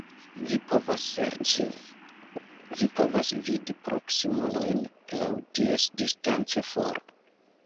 Vi povas serĉi... vi povas vidi proksimulojn laŭ ties distance for